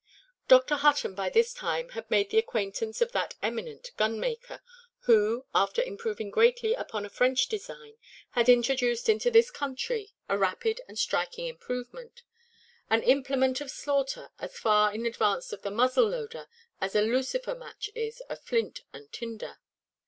Dr. Hutton by this time had made the acquaintance of that eminent gunmaker, who, after improving greatly upon a French design, had introduced into this country a rapid and striking improvement; an implement of slaughter as far in advance of the muzzle–loader as a lucifer–match is of flint and tinder.